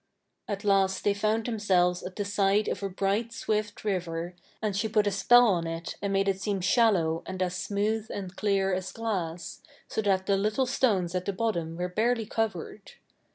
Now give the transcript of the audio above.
At last they found themselves at the side of a bright swift river, and she put a spell on it and made it seem shallow and as smooth and clear as glass, so that the little stones at the bottom were barely covered.